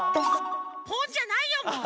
ポンじゃないよもう！